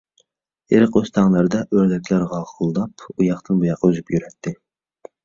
ئېرىق-ئۆستەڭلەردە ئۆردەكلەر غاقىلداپ، ئۇياقتىن-بۇياققا ئۈزۈپ يۈرەتتى.